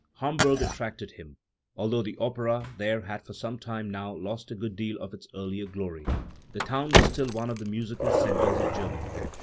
Hamburg attracted him. Although the opera there had for some time now lost a good deal of its earlier glory, the town was still one of the musical centres of Germany.